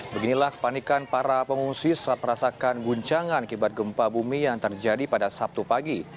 beginilah kepanikan para pengungsi saat merasakan guncangan akibat gempa bumi yang terjadi pada sabtu pagi